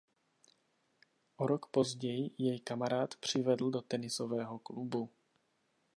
O rok později jej kamarád přivedl do tenisového klubu.